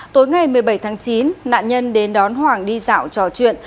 tối ngày một mươi bảy tháng chín nạn nhân đến đón hoàng đi dạo trò chuyện